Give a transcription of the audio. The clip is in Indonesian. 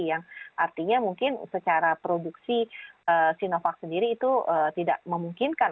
yang artinya mungkin secara produksi sinovac sendiri itu tidak memungkinkan